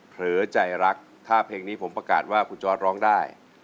เผลอใจรักถ้าเพลงนี้ผมประกาศว่าคุณจอร์ดร้องได้